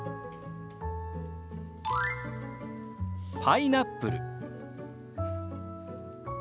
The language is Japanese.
「パイナップル」。